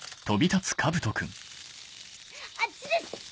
あっちです！